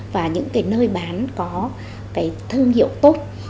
và những nơi bán có thương hiệu tốt